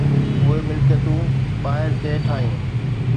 اهي ملڪيتون ٻاهر ڪنهن ٺاهيو؟